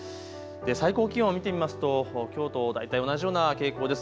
最高気温を見てみますときょうと大体同じような傾向です。